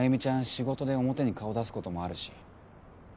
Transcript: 仕事で表に顔出すこともあるし。